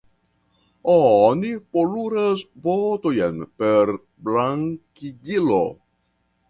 Oni poluras botojn per blankigilo.